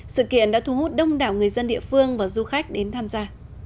sự kiện đã thu hút đông đảo người dân địa phương và du khách đến tham gia